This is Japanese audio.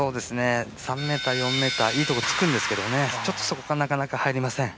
３ｍ、４ｍいいところつくんですけどね、ちょっとそこからなかなか入りません。